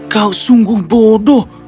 kau sungguh bodoh